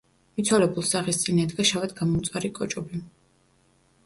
მიცვალებულს სახის წინ ედგა შავად გამომწვარი კოჭობი.